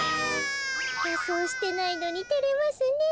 かそうしてないのにてれますねえ。